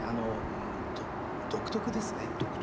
独特ですね。